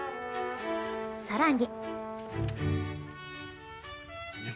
さらに。